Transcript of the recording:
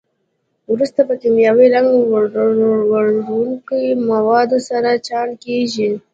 وروسته په کیمیاوي رنګ وړونکو موادو سره چاڼ کېږي.